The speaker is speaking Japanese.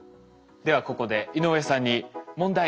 ではここで井上さんに問題。